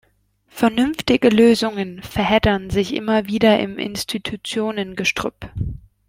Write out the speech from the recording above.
Vernünftige Lösungen verheddern sich immer wieder im Institutionengestrüpp.